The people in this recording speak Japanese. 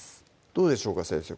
どうでしょうか先生